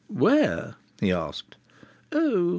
"Where?" he asked. "Oh!"